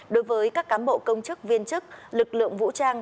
đối với các cán bộ công chức viên chức lực lượng vũ trang